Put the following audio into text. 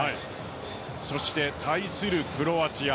そして対するクロアチア